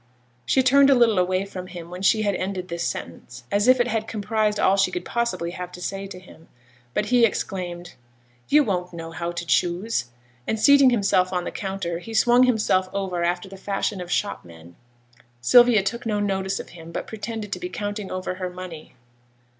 She turned a little away from him when she had ended this sentence, as if it had comprised all she could possibly have to say to him. But he exclaimed, 'You won't know how to choose,' and, seating himself on the counter, he swung himself over after the fashion of shop men. Sylvia took no notice of him, but pretended to be counting over her money.